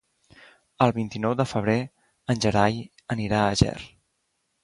El vint-i-nou de febrer en Gerai anirà a Ger.